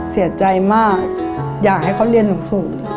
เสียใจมากอยากให้เขาเรียนสูง